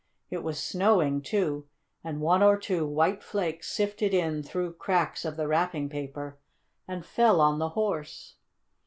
It was snowing, too, and one or two white flakes sifted in through cracks of the wrapping paper, and fell on the Horse.